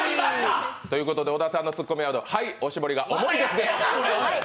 ということで小田さんのツッコミワードはい、おしぼりが重い。